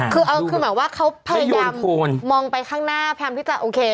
คือหมายว่าเขาพยายามมองไปข้างหน้าพยายามที่จะโอเค